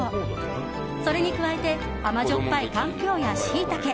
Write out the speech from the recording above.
それに加えて、甘じょっぱいかんぴょうやシイタケ